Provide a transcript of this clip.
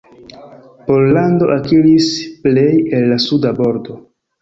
Pollando akiris plej el la suda bordo.